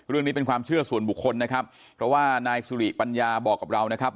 เรื่องนี้เป็นความเชื่อส่วนบุคคลนะครับเพราะว่านายสุริปัญญาบอกกับเรานะครับ